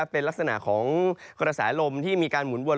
เป็นลักษณะของกระแสลมที่มีการหมุนวน